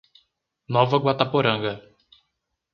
Nova Guataporanga